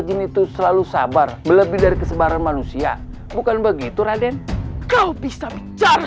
jin itu selalu sabar lebih dari kesebaran manusia bukan begitu raden kau bisa bicara